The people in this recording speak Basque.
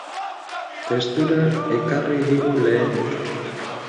Testura ekarri digu lehenik.